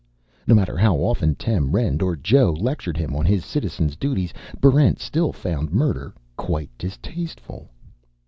No matter how often Tem Rend or Joe lectured him on his Citizen's duties, Barrent still found murder quite distasteful.